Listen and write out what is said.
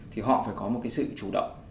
thì họ phải có một cái sự chủ động